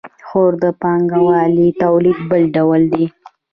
خو د پانګوالي تولید بل ډول دی.